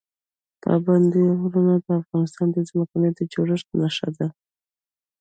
پابندي غرونه د افغانستان د ځمکې د جوړښت نښه ده.